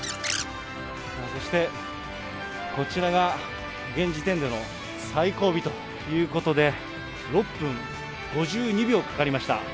そして、こちらが現時点での最後尾ということで、６分５２秒かかりました。